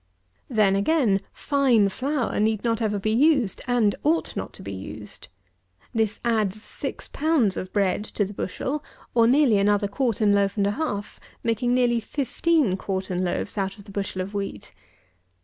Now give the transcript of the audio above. Then, again, fine flour need not ever be used, and ought not to be used. This adds six pounds of bread to the bushel, or nearly another quartern loaf and a half, making nearly fifteen quartern loaves out of the bushel of wheat.